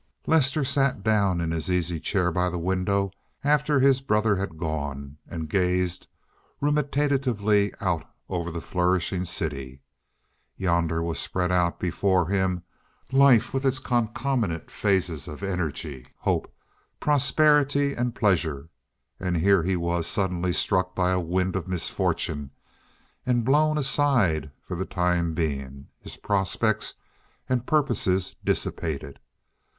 Lester sat down in his easy chair by the window after his brother had gone and gazed ruminatively out over the flourishing city. Yonder was spread out before him life with its concomitant phases of energy, hope, prosperity, and pleasure, and here he was suddenly struck by a wind of misfortune and blown aside for the time being—his prospects and purposes dissipated.